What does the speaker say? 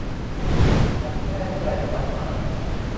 ฉันแน่ใจกับมัน